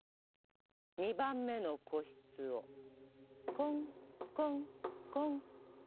２番目の個室をコンコンコン。